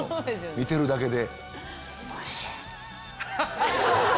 見てるだけで。